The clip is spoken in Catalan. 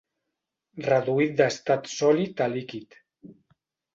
Reduït d'estat sòlid a líquid.